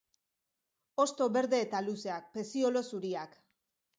Hosto berde eta luzeak, peziolo zuriak.